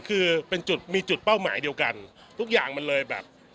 คือเป็นจุดมีจุดเป้าหมายเดียวกันทุกอย่างมันเลยแบบ